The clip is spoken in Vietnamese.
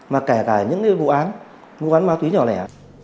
mà kể cả những vụ án vụ án ma túy nhỏ lẻ